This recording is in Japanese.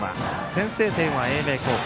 先制点は英明高校。